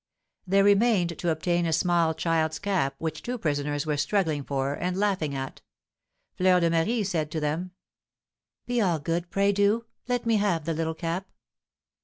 There remained to obtain a small child's cap, which two prisoners were struggling for, and laughing at. Fleur de Marie said to them: "Be all good, pray do. Let me have the little cap."